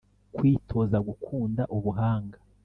Kwitoza gukunda ubuhanga